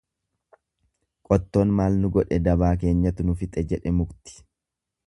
Qottoon maal nu godhe dabaa keenyatu nu fixe jedhe mukti.